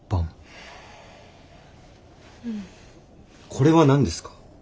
これは何ですか？